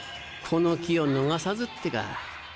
この機を逃さずってか。